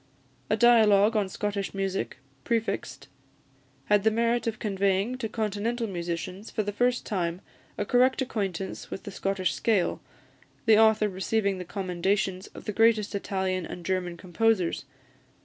"A Dialogue on Scottish Music," prefixed, had the merit of conveying to Continental musicians for the first time a correct acquaintance with the Scottish scale, the author receiving the commendations of the greatest Italian and German composers.